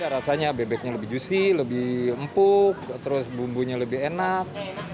rasanya bebeknya lebih juicy lebih empuk terus bumbunya lebih enak